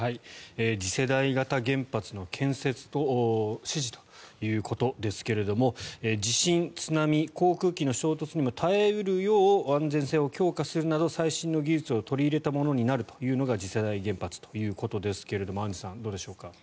次世代型原発の建設を指示ということですけども地震、津波、航空機の衝突にも耐え得るよう安全性を強化するなど最新の技術を取り入れたものになるというのが次世代原発ということですがアンジュさん、どうでしょうか。